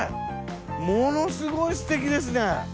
ものすごいすてきですね！